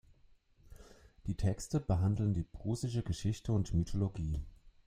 Die Texte behandeln die prußische Geschichte und Mythologie.